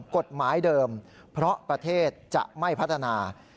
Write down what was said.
กฎหมายเดิมเพราะประเทศจะไม่พัฒนา